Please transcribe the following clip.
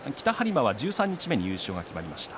磨は十三日目に優勝が決まりました。